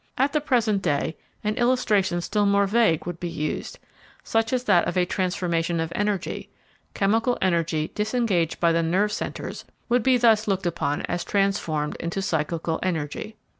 At the present day, an illustration still more vague would be used, such as that of a transformation of energy: chemical energy disengaged by the nerve centres would be thus looked upon as transformed into psychical energy.